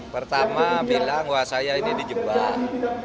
pertama bilang wah saya ini dijebak